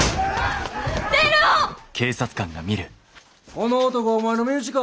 この男お前の身内か？